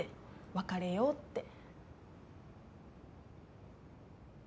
別れようって。